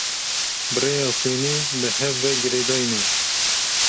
Bi rêya xwînê bi hev ve girêdayî ne.